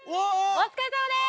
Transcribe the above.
お疲れさまでーす！